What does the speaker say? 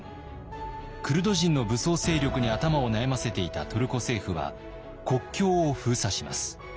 クルド人の武装勢力に頭を悩ませていたトルコ政府は国境を封鎖します。